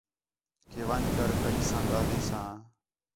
کہ ون٘ڄ کر کئیں ساں ڳاہلیساں